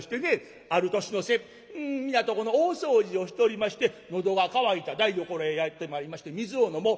ある年の瀬皆とこの大掃除をしておりまして喉が乾いた台所へやって参りまして水を飲もう。